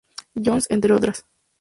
John's, entre otras.